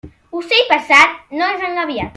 Ocell passat no és engabiat.